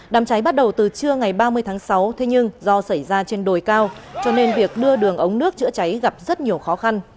đám cháy bắt đầu từ trưa ngày ba mươi tháng sáu thế nhưng do xảy ra trên đồi cao cho nên việc đưa đường ống nước chữa cháy gặp rất nhiều khó khăn